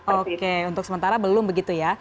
oke untuk sementara belum begitu ya